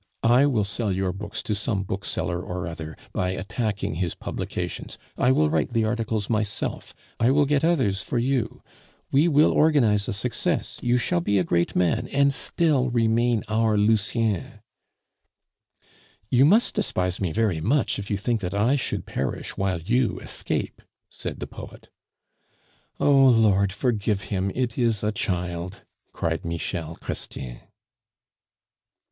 I will sell your books to some bookseller or other by attacking his publications; I will write the articles myself; I will get others for you. We will organize a success; you shall be a great man, and still remain our Lucien." "You must despise me very much, if you think that I should perish while you escape," said the poet. "O Lord, forgive him; it is a child!" cried Michel Chrestien.